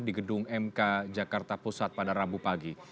di gedung mk jakarta pusat pada rabu pagi